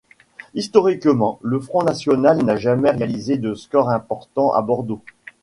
Historiquement, le Front national n'a jamais réalisé de score important à Bordeaux.